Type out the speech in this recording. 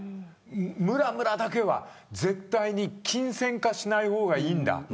むらむらだけは絶対に金銭化しない方がいいんだ。